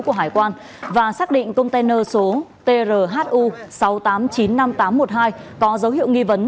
của hải quan và xác định container số trhu sáu triệu tám trăm chín mươi năm nghìn tám trăm một mươi hai có dấu hiệu nghi vấn